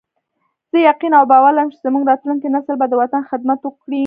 زه یقین او باور لرم چې زموږ راتلونکی نسل به د وطن خدمت وکړي